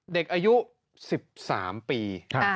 เด็กอายุ๑๓ปี